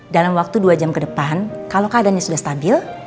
dalam waktu dua jam kedepan kalau keadaannya sudah stabil